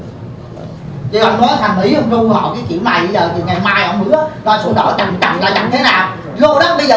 thì ông nói thầm ý ông rung họ cái kiểu này giờ thì ngày mai ông hứa